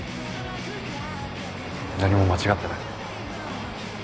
何も間違ってない。